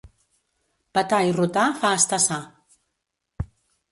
Petar i rotar fa estar sa.